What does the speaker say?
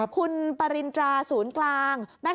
คุณปรินตราศูนย์กลางนะคะ